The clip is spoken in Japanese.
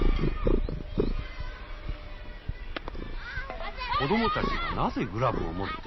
子供たちがなぜグラブを持っていないのか。